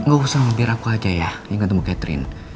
gak usah mampir aku aja ya yang ketemu catherine